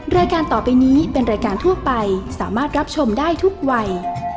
รายการต่อไปนี้เป็นรายการทั่วไปสามารถรับชมได้ทุกวัย